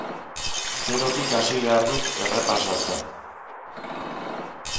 Zerotik hasi behar dut errepasatzen.